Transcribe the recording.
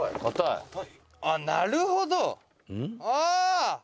「あっなるほど！ああ！」